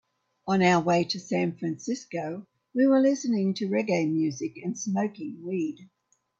On our way to San Francisco, we were listening to reggae music and smoking weed.